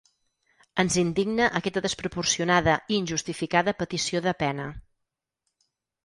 Ens indigna aquesta desproporcionada i injustificada petició de pena.